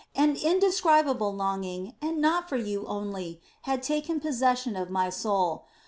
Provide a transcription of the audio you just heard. An indescribable longing, and not for you only, had taken possession of my soul.